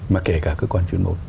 mà kể cả cơ quan chuyên môn